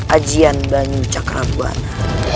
ajian banyu cakrabana